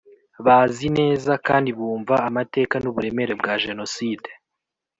bazi neza kandi bumva amateka n uburemere bwa Jenoside